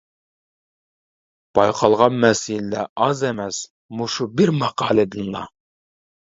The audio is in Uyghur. بايقالغان مەسىلىلەر ئاز ئەمەس مۇشۇ بىر «ماقالە» دىنلا.